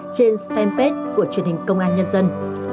trên fanpage của truyền hình công an nhân dân